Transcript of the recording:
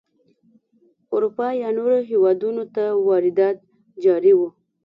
اروپا یا نورو هېوادونو ته واردات جاري وو.